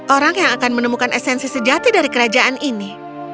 orang yang akan menemukan esensi sejati dari kerajaan ini